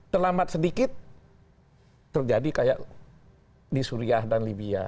terlambat sedikit terjadi kayak di suriah dan libya